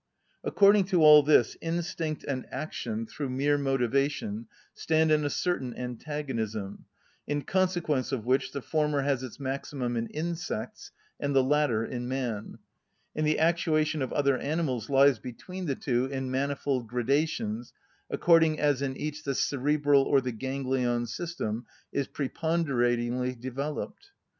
According to all this, instinct and action through mere motivation, stand in a certain antagonism, in consequence of which the former has its maximum in insects, and the latter in man, and the actuation of other animals lies between the two in manifold gradations according as in each the cerebral or the ganglion system is preponderatingly developed.